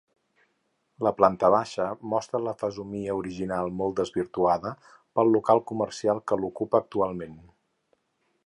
La planta baixa mostra la fesomia original molt desvirtuada pel local comercial que l'ocupa actualment.